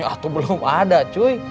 ya itu belum ada cuy